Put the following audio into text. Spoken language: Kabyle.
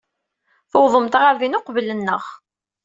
Tuwḍemt ɣer din uqbel-nneɣ.